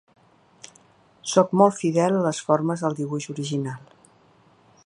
Sóc molt fidel a les formes del dibuix original.